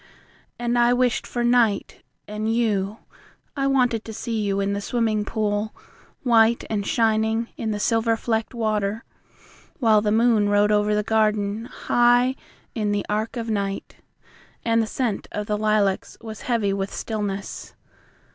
And I wished for night and you. I wanted to see you in the swimming pool, White and shining in the silver flecked water. While the moon rode over the garden, High in the arch of night, And the scent of the lilacs was heavy with stillness.